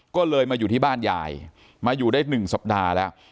ก็เลยมาอยู่ที่บ้านยายมาอยู่ได้๑สัปดาห์แล้ว